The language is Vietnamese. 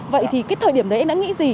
vậy thì cái thời điểm đấy anh đã nghĩ gì